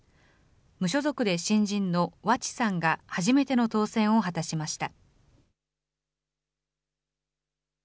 無所属で新人の和地さんが初めての当選を果たしました。